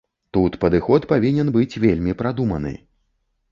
Тут падыход павінен быць вельмі прадуманы.